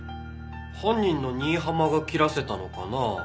犯人の新浜が切らせたのかなあ？